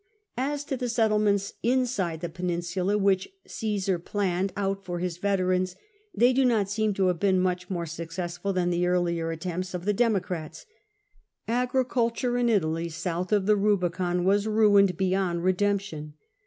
As to the settlements inside the peninsula, which Caesar planned out for his veterans, they do not seem to have been much more suc cessful than the earlier attempts of the Democrats. Agri culture in Italy, south of the Rubicon, was ruined beyond redemption.